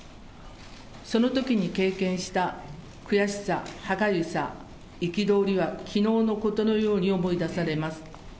そのときに経験した悔しさ、歯がゆさ、憤りはきのうのことのように思い出されます。